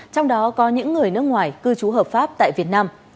trong đó có những người nước ngoài cư trú hợp pháp tại việt nam